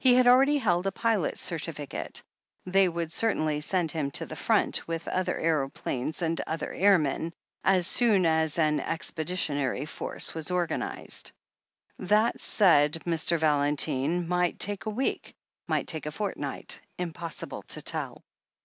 He already held a pilot's certificate — ^they would cer tainly send him to the Front, with other aeroplanes and other airmen, as soon as an Expeditionary Force was THE HEEL OF ACHI.LLES 381 organized. That, said Mr. Valentine, might take a week, might take a fortnight — impossible to tell.